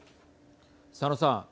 佐野さん。